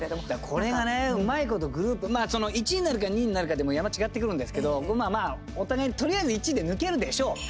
これがね、うまいこと１位になるか２位になるかでも違ってくるんですけど、お互いにとりあえず１位で抜けるでしょう。